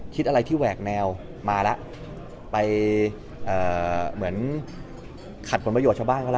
คิดอะไรที่แหวกแนวมาแล้วไปเหมือนขัดผลประโยชนชาวบ้านเขาแล้ว